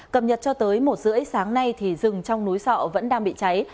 cập nhật cho tới một h ba mươi sáng nay thì rừng trong núi sọ vẫn đang bị cháy